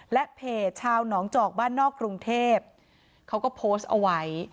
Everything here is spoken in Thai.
และเพจชาวหนองจอกบ้านนอกกรุงเทพเขาก็โพสต์เอาไว้